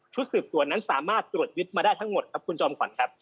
สืบสวนนั้นสามารถตรวจยึดมาได้ทั้งหมดครับคุณจอมขวัญครับ